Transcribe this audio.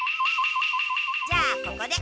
じゃあここで。